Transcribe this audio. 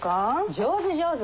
上手上手。